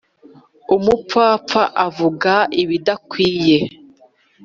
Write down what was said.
Umupfapfa avuga ibidakwiye.